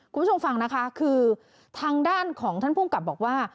คุณผู้ชมฟังนะคะคือทางด้านของท่านภูมิกับบอกว่า